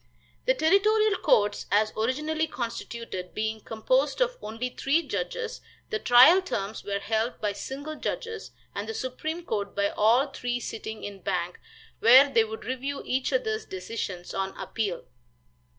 The territorial courts as originally constituted, being composed of only three judges, the trial terms were held by single judges, and the supreme court by all three sitting in bank, where they would review each others decisions on appeal.